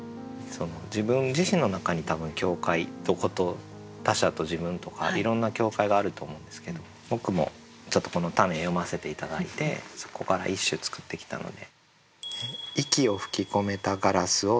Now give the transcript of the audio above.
自分自身の中に多分境界他者と自分とかいろんな境界があると思うんですけど僕もこのたね読ませて頂いてそこから一首作ってきたので。